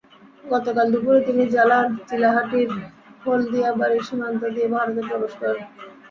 গতকাল দুপুরে তিনি জেলার চিলাহাটির হলদিয়াবাড়ি সীমান্ত দিয়ে ভারতে প্রবেশ করেন।